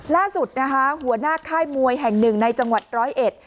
ล่าสุดหัวหน้าค่ายมวยแห่งหนึ่งในจังหวัด๑๐๑